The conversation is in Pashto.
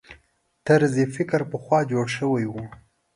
طرز فکر پخوا جوړ شوي وو.